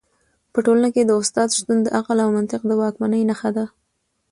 په ټولنه کي د استاد شتون د عقل او منطق د واکمنۍ نښه ده.